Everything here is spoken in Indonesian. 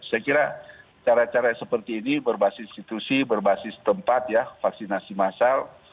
saya kira cara cara seperti ini berbasis institusi berbasis tempat ya vaksinasi massal